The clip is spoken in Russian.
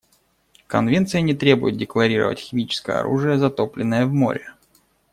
Конвенция не требует декларировать химическое оружие, затопленное в море.